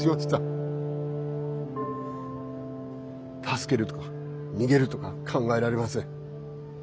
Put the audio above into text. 助けるとか逃げるとか考えられません。